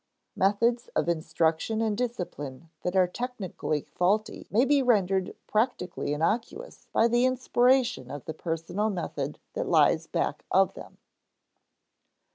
Methods of instruction and discipline that are technically faulty may be rendered practically innocuous by the inspiration of the personal method that lies back of them.